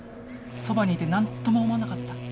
そばにいて何とも思わなかった？